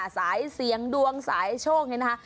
สายเสียงดวงสายโชคนี่นะคะ